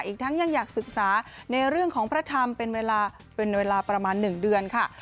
อีกทั้งยังอยากศึกษาในเรื่องของพระธรรมเป็นเวลาเป็นเวลาประมาณ๑เดือนค่ะ